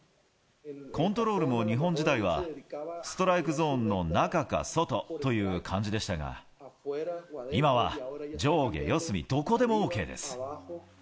コントロールも日本時代は、ストライクゾーンの中か外という感じでしたが、今は上下四隅どこでもＯＫです。